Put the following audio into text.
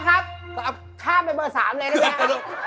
พี่อ๊อกครับข้ามไปเบอร์๓เลยได้ไหมครับ